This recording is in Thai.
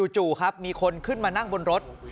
จู่ครับมีคนขึ้นมานั่งบนรถ